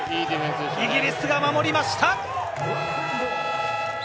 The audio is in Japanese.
イギリスが守りました。